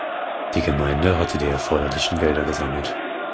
Die Gemeinde hatte die erforderlichen Gelder gesammelt.